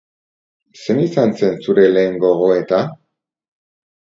Zein izan zen zure lehen gogoeta?